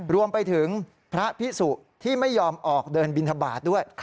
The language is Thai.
รวมไปถึงพระพิสุที่ไม่ยอมออกเดินบินทบาทด้วย